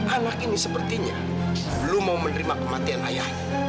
anak ini sepertinya belum mau menerima kematian ayahnya